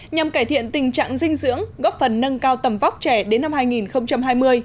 nhằm cải thiện tình trạng dinh dưỡng góp phần nâng cao tầm vóc trẻ đến năm hai nghìn hai mươi